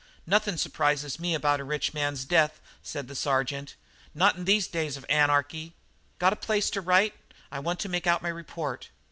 "Nothin' surprises me about a rich man's death," said the sergeant, "not in these here days of anarchy. Got a place to write? I want to make out my report."